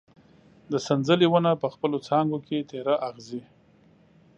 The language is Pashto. د سنځلې ونه په خپلو څانګو کې تېره اغزي